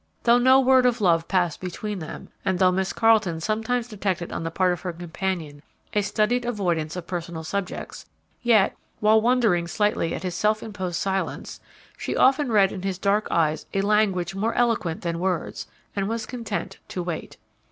Though no word of love passed between them, and though Miss Carleton sometimes detected on the part of her companion a studied avoidance of personal subjects, yet, while wondering slightly at his self imposed silence, she often read in his dark eyes a language more eloquent than words, and was content to wait.